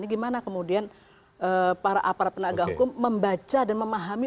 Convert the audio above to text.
gimana kemudian para aparat penegak hukum membaca dan memahami